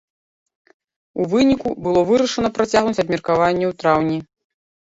У выніку, было вырашана працягнуць абмеркаванне ў траўні.